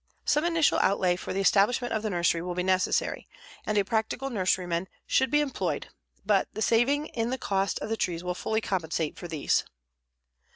Some initial outlay for the establishment of the nursery will be necessary and a practical nurseryman should be employed, but the saving in the cost of the trees will fully compensate for these.